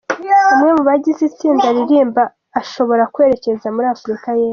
Umwe mu bagize itsinda riririmba ashobora kwerekeza muri Afurika y’Epfo